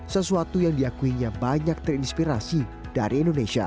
sesuatu yang diakuinya banyak terinspirasi dari indonesia